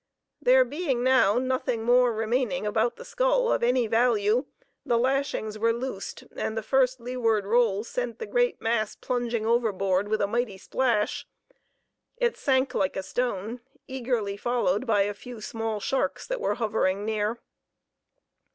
There being now nothing more remaining about the skull of any value, the lashings were loosed, and the first leeward roll sent the great mass plunging overboard with a mighty splash. It sank like a stone, eagerly followed by a few small sharks that were hovering near.